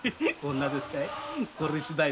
女ですかい？